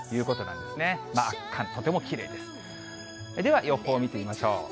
では予報を見てみましょう。